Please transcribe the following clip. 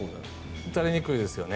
打たれにくいですね。